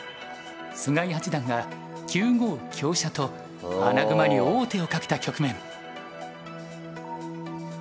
菅井八段が９五香車と穴熊に王手をかけた局面。